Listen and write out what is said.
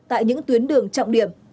tại những tuyến đường trọng điểm